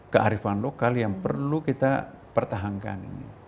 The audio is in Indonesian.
kearifan lokal yang perlu kita pertahankan ini